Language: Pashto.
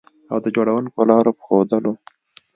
او د جوړوونکو لارو په ښودلو